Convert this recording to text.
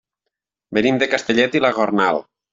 Venim de Castellet i la Gornal.